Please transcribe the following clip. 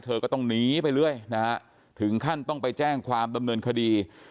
เธอก็ต้องหนีไปเรื่อยนะฮะถึงขั้นต้องไปแจ้งความดำเนินคดี